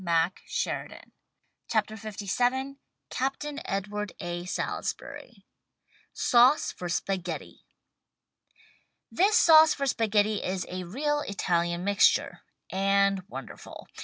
THE STAG COOK BOOK LVII Captain Edward A, Salisbury SAUCE FOR SPAGHETTI This sauce for spaghetti is a real Italian mixture — and wonderful.